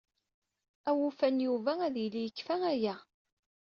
Awufan Yuba ad yili yekfa aya.